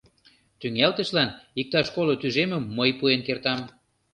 Тӱҥалтышлан иктаж коло тӱжемым мый пуэн кертам.